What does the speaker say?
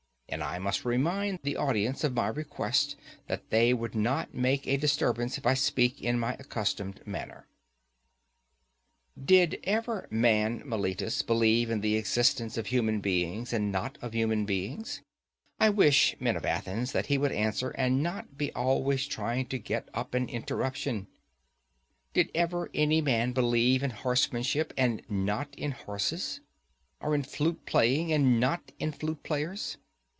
And I must remind the audience of my request that they would not make a disturbance if I speak in my accustomed manner: Did ever man, Meletus, believe in the existence of human things, and not of human beings?...I wish, men of Athens, that he would answer, and not be always trying to get up an interruption. Did ever any man believe in horsemanship, and not in horses? or in flute playing, and not in flute players?